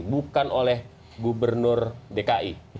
bukan oleh gubernur dki